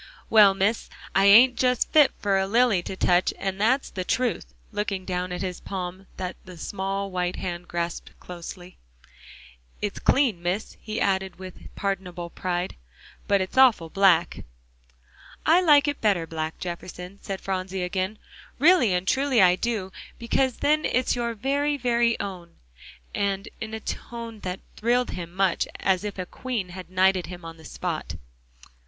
"Well, Miss, I ain't just fit for a lily to touch and that's the truth," looking down at his palm that the small white hand grasped closely. "It's clean, Miss," he added with pardonable pride, "but it's awful black." "I like it better black, Jefferson," said Phronsie again, "really and truly I do, because then it's your very, very own," in a tone that thrilled him much as if a queen had knighted him on the spot.